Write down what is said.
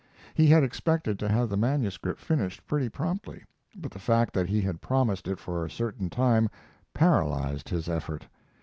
He had expected to have the manuscript finished pretty promptly, but the fact that he had promised it for a certain time paralyzed his effort.